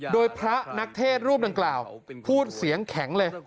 โดยพระนักเทศรูปดังกล่าวพูดเสียงแข็งเลย